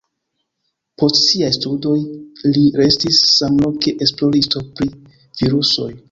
Post siaj studoj li restis samloke esploristo pri virusoj.